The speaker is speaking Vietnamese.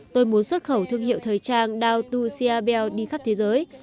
tôi muốn xuất khẩu thương hiệu thời trang dao tu siabel đi khắp thế giới